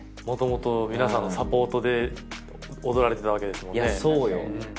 もともと皆さんのサポートで踊られてたわけですもんね。